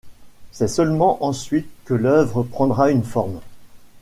C'est seulement ensuite que l'œuvre prendra une forme.